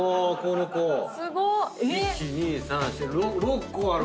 １２３４６個あるわ。